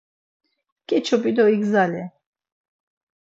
Keç̌opi do igzali.